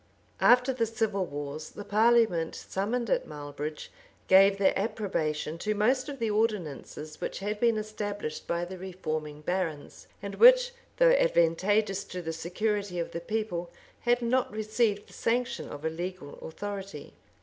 [*] After the civil wars, the parliament summoned at Marlebridge gave their approbation to most of the ordinances which had been established by the reforming barons, and which though advantageous to the security of the people, had not received the sanction of a legal authority.